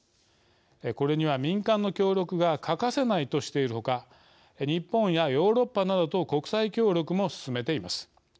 これには民間の協力が欠かせないとしている他日本やヨーロッパなどと国際協力も進めています。